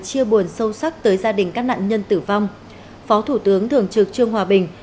chia buồn sâu sắc tới gia đình các nạn nhân tử vong phó thủ tướng thường trực trương hòa bình